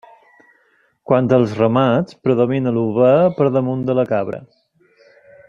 Quant als ramats, predomina l'ovella per damunt de la cabra.